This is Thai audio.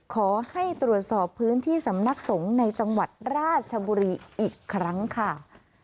ขอให้ตรวจสอบพื้นที่สำนักสงฆ์ในจังหวัดราชบุรีอีกครั้งค่ะ